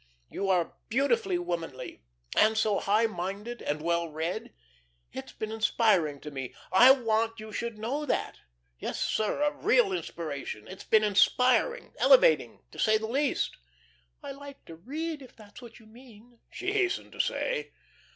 You are beautifully womanly and so high minded and well read. It's been inspiring to me. I want you should know that. Yes, sir, a real inspiration. It's been inspiring, elevating, to say the least." "I like to read, if that's what you mean," she hastened to say.